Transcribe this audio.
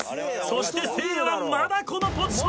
そしてせいやはまだこのポジションだ。